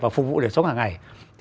và phục vụ để sống hàng ngày